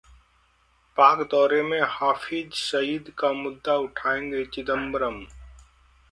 पाक दौरे में हाफिज सईद का मुद्दा उठायेंगे चिदंबरम